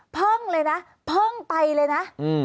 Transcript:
เพิ่งเลยนะเพิ่งไปเลยนะ